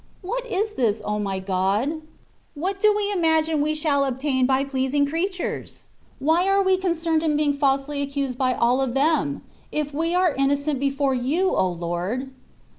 What is this, O my God? What do we imagine we shall obtain by pleasing creatures? Why are we concerned in being falsely accused by all of them, if we are innocent before You, O Lord